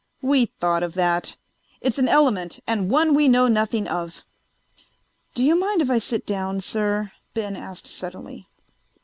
"We thought of that. It's an element, and one we know nothing of." "Do you mind if I sit down, sir?" Ben asked suddenly.